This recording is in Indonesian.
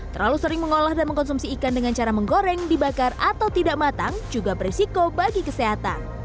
terlalu sering mengolah dan mengkonsumsi ikan dengan cara menggoreng dibakar atau tidak matang juga beresiko bagi kesehatan